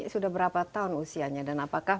sudah berapa tahun usianya dan apakah